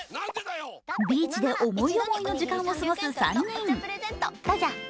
ビーチで思い思いの時間を過ごす３人。